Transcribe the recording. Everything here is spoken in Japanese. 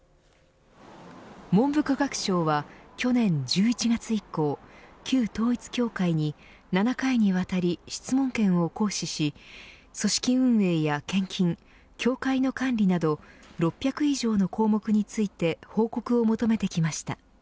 文部科学省は、去年１１月以降旧統一教会に、７回にわたり質問権を行使し組織運営や献金教会の管理など６００以上の項目について報告を求めてきました。